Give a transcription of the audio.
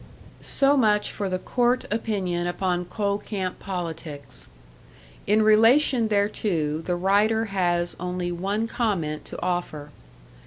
So much for the court opinion upon coal camp politics. In relation thereto, the writer has only one comment to offer.